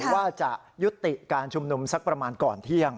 ว่าจะยุติการชุมนุมสักประมาณก่อนเที่ยง